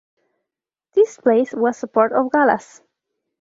This place was part of Galas.